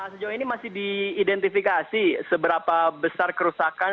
sejauh ini masih diidentifikasi seberapa besar kerusakan